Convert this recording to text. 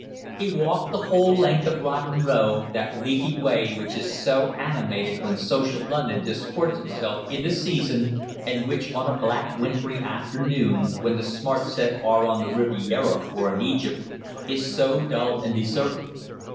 He walked the whole length of Rotten Row, that leafy way which is so animated when social London disports itself in the season, and which on a black wintry afternoon, when the smart set are on the Riviera or in Egypt, is so dull and deserted.